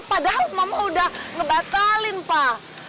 padahal mamah udah ngebacalin pak